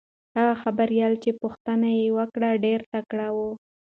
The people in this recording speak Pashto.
هغه خبریاله چې پوښتنه یې وکړه ډېره تکړه وه.